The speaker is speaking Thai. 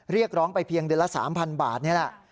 เรียกร้องไปเพียงเดือนละ๓๐๐บาทนี่แหละ